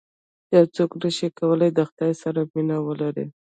یو څوک نه شي کولای د خدای سره مینه ولري.